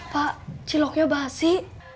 pak ciloknya basi